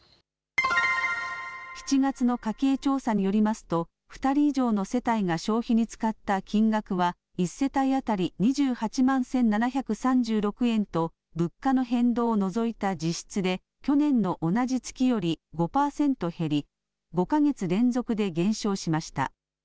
７月の家計調査によりますと２人以上の世帯が消費に使った金額は１世帯当たり２８万１７３６円と物価の変動を除いた実質で去年の同じ月より５％減り５か月連続で減少しました。